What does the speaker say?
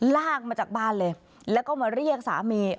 ลากมาจากบ้านเลยแล้วก็มาเรียกสามี